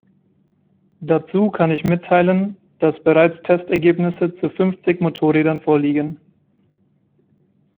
Dazu kann ich mitteilen, dass bereits Testergebnisse zu fünfzig Motorrädern vorliegen.